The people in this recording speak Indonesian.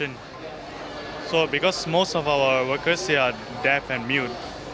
karena sebagian besar pekerja kita adalah deaf dan mute